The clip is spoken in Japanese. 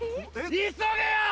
急げよ！